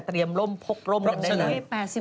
เตรียมล่มพกล่มกันเลย